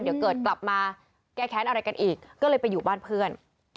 เดี๋ยวเกิดกลับมาแก้แค้นอะไรกันอีกก็เลยไปอยู่บ้านเพื่อน